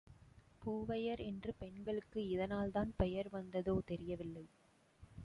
பூவையர் என்று பெண்களுக்கு இதனால் தான் பெயர் வந்ததோ தெரியவில்லை.